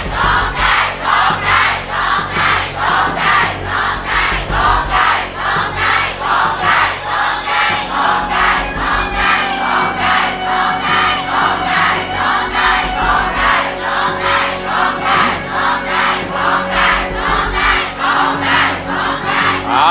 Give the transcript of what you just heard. โทษใจโทษใจโทษใจ